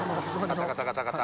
ガタガタガタガタ。